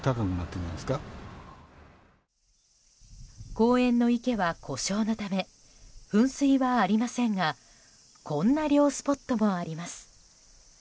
公園の池は故障のため噴水はありませんがこんな涼スポットもあります。